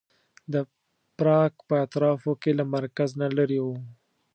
د پراګ په اطرافو کې له مرکز نه لرې و.